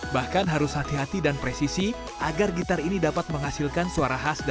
bahkan harus hati hati dan presisi agar gitar ini dapat menghasilkan suara khasnya